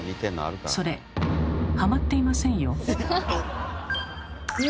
それはまっていませんよ。